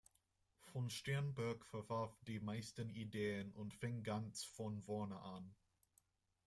Von Sternberg verwarf die meisten Ideen und fing ganz von vorne an.